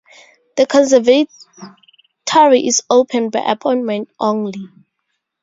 The conservatory is open by appointment only.